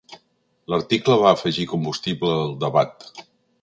L'article va afegir combustible al debat.